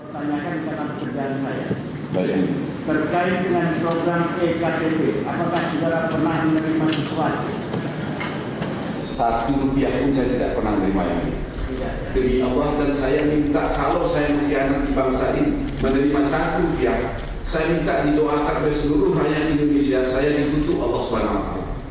saya minta di doakan dari seluruh mayat indonesia saya dikutuk allah swt